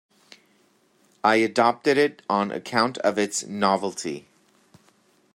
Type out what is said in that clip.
I adopted it on account of its novelty.